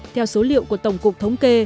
theo số liệu của tổng cục thống kê